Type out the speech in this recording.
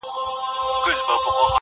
• دام له سترګو وو نیهام خاورو کي ښخ وو -